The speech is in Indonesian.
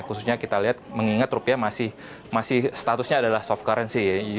khususnya kita lihat mengingat rupiah masih statusnya adalah soft currency